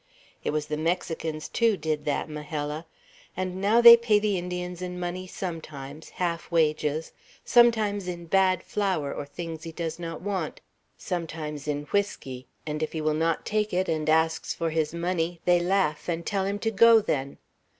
It was the Mexicans, too, did that, Majella. And now they pay the Indians in money sometimes, half wages; sometimes in bad flour, or things he does not want; sometimes in whiskey; and if he will not take it, and asks for his money, they laugh, and tell him to go, then.